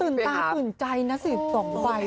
ตื่นตาสุดใจสีส่องใบ